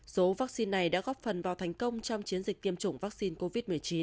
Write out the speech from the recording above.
số vaccine này đã góp phần vào thành công trong chiến dịch tiêm chủng vaccine covid một mươi chín